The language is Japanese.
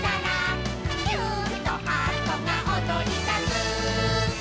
「キューンとハートがおどりだす」